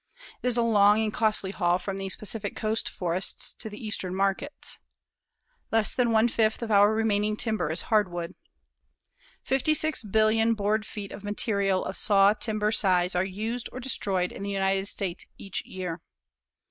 It is a long and costly haul from these Pacific Coast forests to the eastern markets. Less than one fifth of our remaining timber is hardwood. 56,000,000,000 board feet of material of saw timber size are used or destroyed in the United States each year.